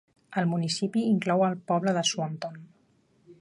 El municipi inclou el poble de Swanton.